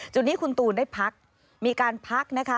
จุดนี้คุณตูนได้พักมีการพักนะคะ